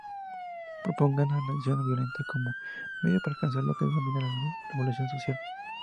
Propugnaban la acción violenta como medio para alcanzar la que denominaban "revolución social".